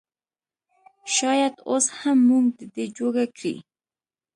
شايد اوس هم مونږ د دې جوګه کړي